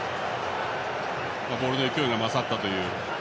ボールの勢いが勝ったという。